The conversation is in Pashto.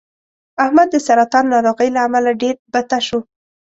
احمد د سرطان ناروغۍ له امله ډېر بته شو